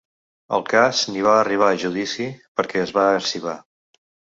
El cas ni va arribar a judici perquè es va arxivar….